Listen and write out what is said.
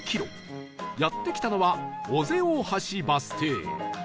やって来たのは尾瀬大橋バス停